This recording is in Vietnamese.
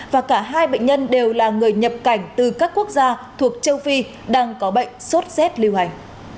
và cả hai bệnh nhân đều là người nhập cảnh từ các quốc gia thuộc châu phi đang có bệnh sốt rét liêu hành